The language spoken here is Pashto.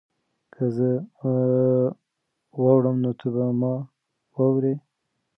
که زه واوړم نو ته به ما واورې؟